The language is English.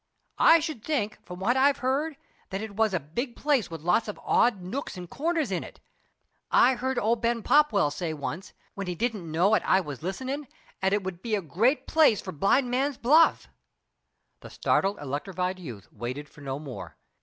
I should think, from what I've heard, that it was a big place with lots of odd nooks and corners in it. I heard old Ben Popwell say once, when he didn't know 'at I was listenin', 'at it would be a great place for blind man's buff." The startled, electrified youth waited for no more.